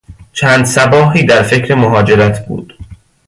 چند صباحی در فکر مهاجرت بود.